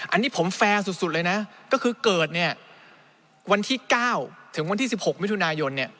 อันนี้ผมแฟร์สุดเลยนะก็คือเกิดเนี่ยวันที่๙ถึงวันที่๑๖มิถุนายน